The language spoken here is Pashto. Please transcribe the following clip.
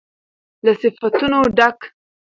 له صفتونو ډک